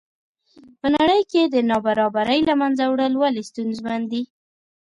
په نړۍ کې د نابرابرۍ له منځه وړل ولې ستونزمن دي.